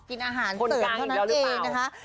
กินอาหารเสริมเท่านั้นเองนะคะ